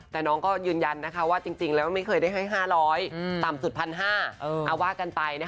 แต่น้องก็ยืนยันนะคะว่าจริงและไม่เคยได้ให้๕๐๐ต่ำสุด๕๐๐